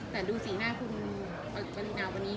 แต่ดูสีหน้าคุณตำรงงานวันนี้